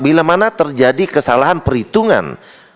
bila mana terjadi kesalahan perhitungan